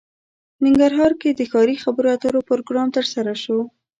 ننګرهار کې د ښاري خبرو اترو پروګرام ترسره شو